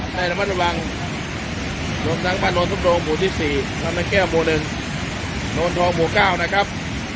ได้ละเมืองตลอดหมู่๑ละเมืองตรงหมู่๙นะครับ